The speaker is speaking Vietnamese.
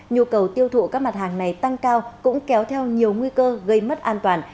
nhu cầu tiêu thụ các mặt hàng này tăng cao cũng kéo theo nhiều nguy cơ gây mất an toàn